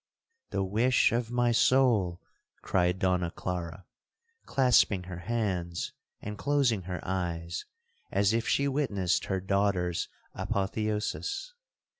'—'The wish of my soul!' cried Donna Clara, clasping her hands, and closing her eyes, as if she witnessed her daughter's apotheosis.